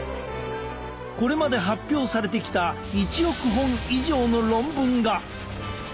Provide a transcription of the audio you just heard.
これまで発表されてきた１億本以上の論文が！